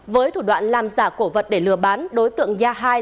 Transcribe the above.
với thủ đoạn làm giả cổ vật để lừa bán đối tượng ya hai